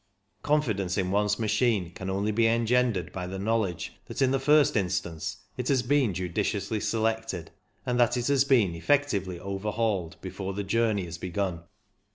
Confidence in one's machine can only be engendered by the knowledge that in the first instance it has been judiciously selected, and that it has been effectively overhauled before the journey i5 begun.